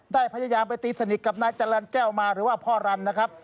ได้พยายามไปตีสนิทกับนายจรรย์แก้วมาหรือว่าพ่อรันนะครับ